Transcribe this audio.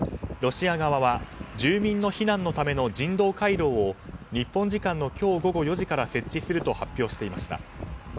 ロシア側は住民の避難のための人道回廊を日本時間の今日午後４時から設置すると発表していました。